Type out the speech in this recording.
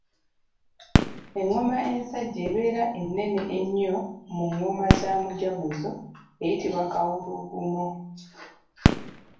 Engoma ensajja ebeera ennene ennyo mu ngoma za mujaguzo eyitibwa Kawulugumo.